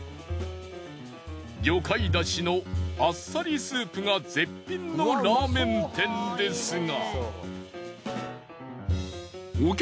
魚介ダシのあっさりスープが絶品のラーメン店ですが。